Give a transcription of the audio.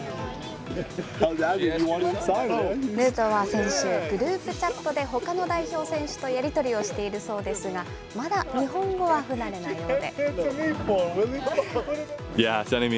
ヌートバー選手、グループチャットでほかの代表選手とやり取りをしているそうですが、まだ日本語は不慣れなようで。